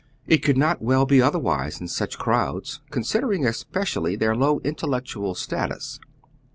It could not well be otherwise in such crowds, considering especially their low intellectual status.